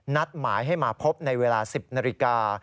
นัดหมายให้มาพบในเวลา๑๐นาฬิกา